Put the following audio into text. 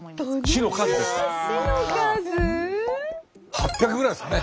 ８００ぐらいですかね。